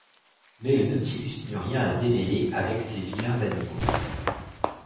Mais le Nautilus n’eut rien à démêler avec ces vilains animaux.